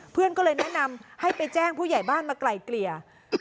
เพื่อนก็เลยแนะนำให้ไปแจ้งผู้ใหญ่บ้านมาไกลเกลี่ย